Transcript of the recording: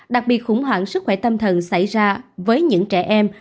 đặc biệt khủng hoảng sức khỏe tâm thần xảy ra với những trẻ em